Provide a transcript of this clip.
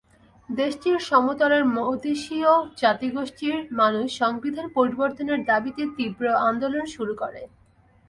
দেশটির সমতলের মদেশীয় জাতিগোষ্ঠীর মানুষ সংবিধান পরিবর্তনের দাবিতে তীব্র আন্দোলন শুরু করে।